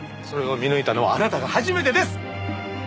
それを見抜いたのはあなたが初めてです。